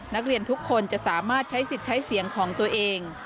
นักเรียนทุกคนจะสามารถใช้สิทธิ์ใช้เสียงของตัวเอง